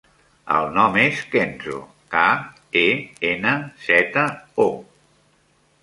El nom és Kenzo: ca, e, ena, zeta, o.